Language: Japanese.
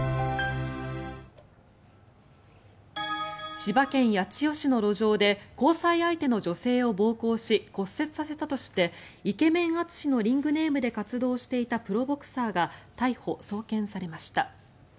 千葉県八千代市の路上で交際相手の女性を暴行し骨折させたとしてイケメン淳のリングネームで活動していたプロボクサーが逮捕・送検されました。